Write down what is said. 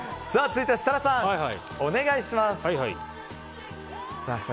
続いては設楽さんお願いします。